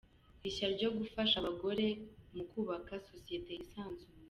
rishya ryo gufasha abagore mu kubaka sosiyete yisanzuranye.